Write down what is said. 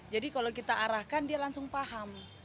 jadi kalau kita arahkan dia langsung paham